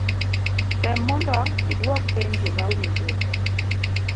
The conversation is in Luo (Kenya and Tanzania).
Tem momdo iduok penjo ma owinjore.